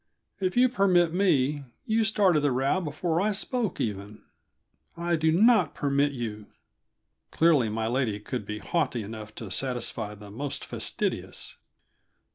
"If you permit me, you started the row before I spoke, even." "I do not permit you." Clearly, my lady could be haughty enough to satisfy the most fastidious.